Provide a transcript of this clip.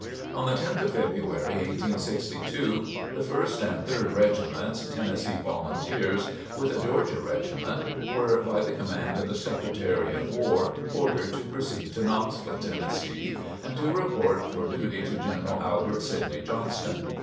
On the 10th of February, 1862, the First and Third Regiments, Tennessee Volunteers, with a Georgia Regiment, were by the command of the Secretary of War, ordered to proceed to Knoxville, Tennessee, and to report for duty to General Albert Sidney Johnston.